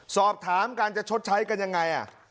สอบถามกันจะชดใช้กันยังไง